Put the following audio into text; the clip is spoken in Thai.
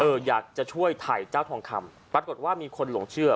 อยากจะช่วยถ่ายเจ้าทองคำปรากฏว่ามีคนหลงเชื่อ